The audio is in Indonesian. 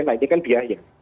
nah ini kan biaya